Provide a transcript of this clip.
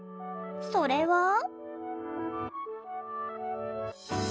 それは。